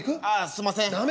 「ああすんません」。